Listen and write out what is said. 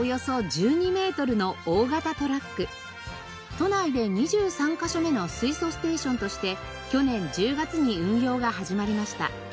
都内で２３カ所目の水素ステーションとして去年１０月に運用が始まりました。